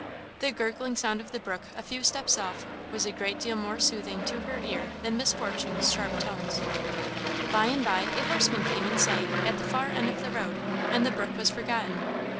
The gurgling sound of the brook a few steps off was a great deal more soothing to her ear than Miss Fortune's sharp tones. By and by a horseman came in sight at the far end of the road, and the brook was forgotten.